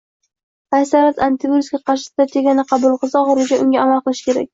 Qaysi davlat antivirusga qarshi strategiyani qabul qilsa, oxirigacha unga amal qilishi kerak